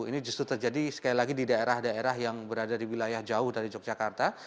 ini justru terjadi sekali lagi di daerah daerah yang berada di wilayah jauh dari yogyakarta